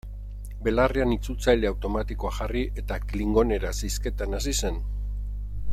Belarrian itzultzaile automatikoa jarri eta klingoneraz hizketan hasi zen.